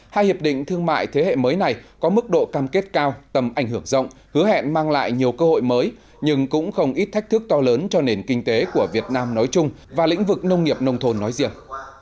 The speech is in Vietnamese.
hai hiệp định thương mại thế hệ mới này có mức độ cam kết cao tầm ảnh hưởng rộng hứa hẹn mang lại nhiều cơ hội mới nhưng cũng không ít thách thức to lớn cho nền kinh tế của việt nam nói chung và lĩnh vực nông nghiệp nông thôn nói riêng